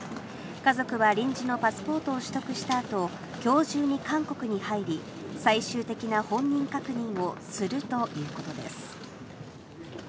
家族は臨時のパスポートを取得した後、今日中に韓国に入り、最終的な本人確認をするということです。